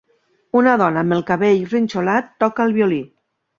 Una dona amb el cabell rinxolat toca el violí